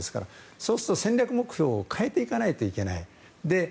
そうすると戦略目標を変えていかないといけない。